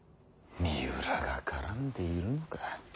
三浦が絡んでいるのか。